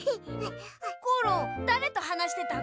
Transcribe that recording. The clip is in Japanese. コロンだれとはなしてたのだ？